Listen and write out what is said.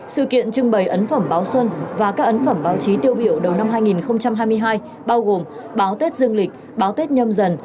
sự kiện trưng bày ấn phẩm báo xuân và các ấn phẩm báo chí tiêu biểu đầu năm hai nghìn hai mươi hai bao gồm báo tết dương lịch báo tết nhâm dần